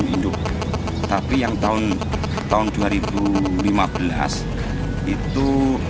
delapan puluh tujuh induk tapi yang tahun dua ribu lima belas itu lima puluh sembilan